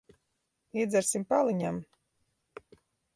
Iedzersim pa aliņam.